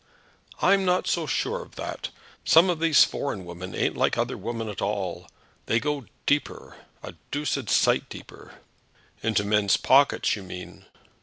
"I'm not so sure of that. Some of these foreign women ain't like other women at all. They go deeper; a doosed sight deeper." "Into men's pockets, you mean."